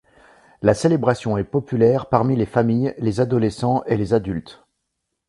La célébration est populaire parmi les familles, les adolescents et les adultes.